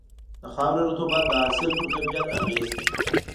د خاورې رطوبت د حاصل پر کیفیت اغېز لري.